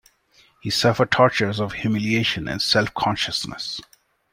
He suffered tortures of humiliation and self-consciousness.